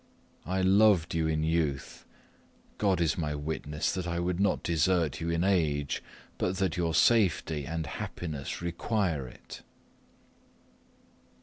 I loved you in youth; God is my witness that I would not desert you in age, but that your safety and happiness require it."